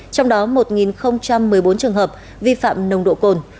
trong đó một một mươi bốn trường hợp vi phạm nồng độ cồn